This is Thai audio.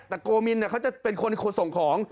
แต่โกมินเขาจะเป็นคนส่งของ